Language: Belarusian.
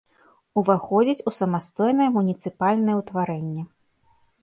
Уваходзіць у самастойнае муніцыпальнае ўтварэнне.